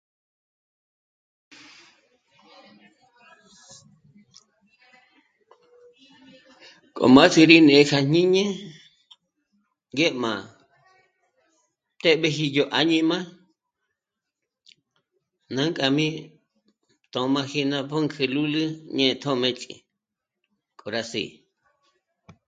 K'om'âji rí né'e k'a jníni ngé'm'á të́'b'eji yó áñima n'ânk'a mí tjö̀maji ná pǔnk'ü lúlu né'e tjómëch'i k'o rá sì'i